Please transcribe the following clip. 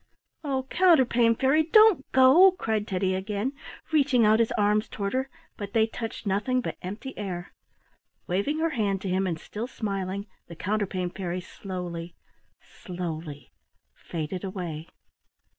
"Oh, Counterpane Fairy, don't go!" cried Teddy again, reaching out his arms toward her; but they touched nothing but empty air. Waving her hand to him and still smiling, the Counterpane Fairy slowly, slowly faded away.